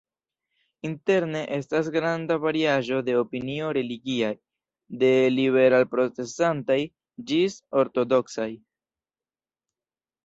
Interne estas granda variaĵo de opinioj religiaj: de liberal-protestantaj ĝis ortodoksaj.